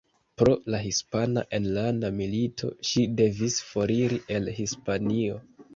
Pro la Hispana Enlanda Milito, ŝi devis foriri el Hispanio.